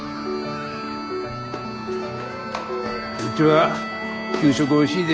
うちは給食おいしいでえ。